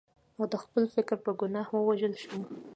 او د خپل فکر په ګناه ووژل شو.